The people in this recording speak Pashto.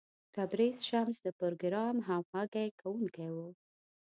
تبریز شمس د پروګرام همغږی کوونکی و.